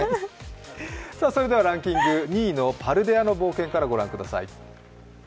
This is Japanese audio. それではランキング２位の「パルデアの冒険」からご覧ください。